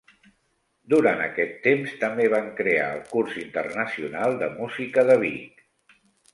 Durant aquest temps també van crear el Curs Internacional de Música de Vic.